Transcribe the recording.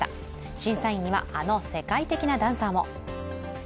審査員にはあの世界的なダンサーも。